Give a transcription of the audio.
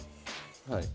はい。